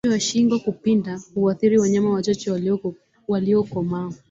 Ugonjwa wa shingo kupinda huathiri wanyama wachache waliokomaa